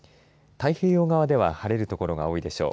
太平洋側では晴れる所が多いでしょう。